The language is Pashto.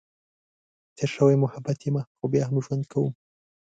تېر شوی محبت یمه، خو بیا هم ژوند کؤم.